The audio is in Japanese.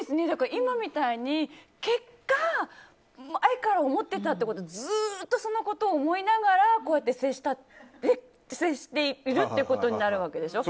今みたいに結果、前から思ってたってずっとそのことを思いながら接しているってことになるわけでしょ。